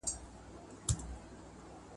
که وخت وي، کتابتون ته ځم!